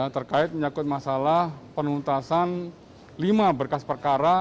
terkait menyakut masalah penuntasan lima berkas perkara